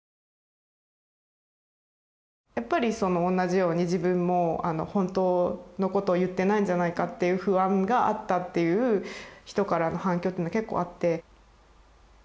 やっぱり同じように自分も本当のことを言ってないんじゃないかっていう不安があったっていう人からの反響っていうのが結構あって。